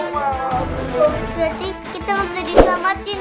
berarti kita harus diselamatkan